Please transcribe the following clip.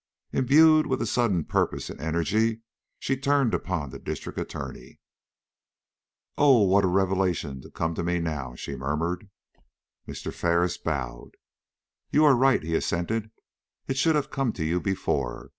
Imbued with sudden purpose and energy, she turned upon the District Attorney. "Oh, what a revelation to come to me now!" she murmured. Mr. Ferris bowed. "You are right," he assented; "it should have come to you before.